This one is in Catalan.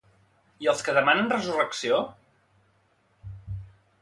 I els que demanen resurrecció?